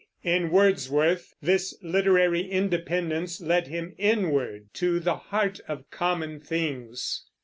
In Wordsworth this literary independence led him inward to the heart of common things.